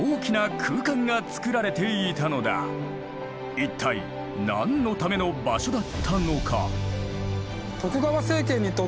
一体何のための場所だったのか？